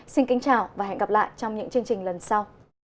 xin kính chào và hẹn gặp lại trong những chương trình lần sau